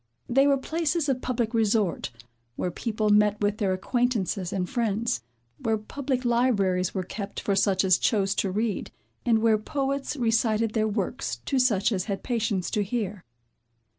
They were places of public resort, where people met with their acquaintances and friends, where public libraries were kept for such as chose to read, and where poets recited their works to such as had patience to hear.